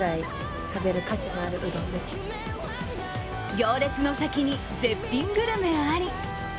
行列の先に絶品グルメあり。